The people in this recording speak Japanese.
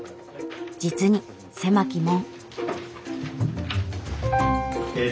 実に狭き門。